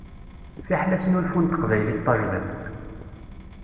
Fiḥel asnulfu n teqbaylit tajdidt.